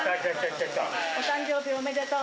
お誕生日おめでとう。